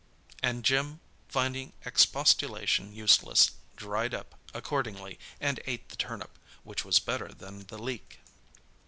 And Jim, finding expostulation useless, "dried up" accordingly and ate the turnip, which was better than the leek.